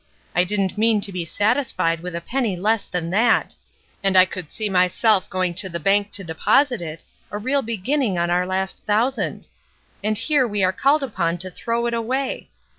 I didn't mean to be satisfied with a penny less than that; and I could see myself going to the bank to deposit it, a real beginning on our last thousand; and here we are called upon to throw it away